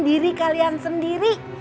diri kalian sendiri